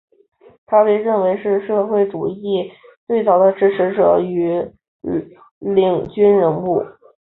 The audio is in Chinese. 他被认为是社会自由主义最早的支持者与领军人物。